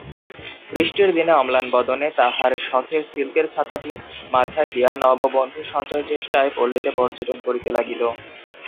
বৃষ্টির দিনে অম্লানবদনে তাঁহার শখের সিল্কের ছাতাটি মাথায় দিয়া নববন্ধুসঞ্চয়চেষ্টায় পল্লীতে পর্যটন করিতে লাগিল।